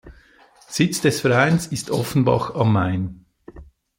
Sitz des Vereins ist Offenbach am Main.